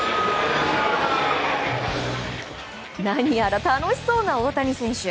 何やら楽しそうな大谷選手。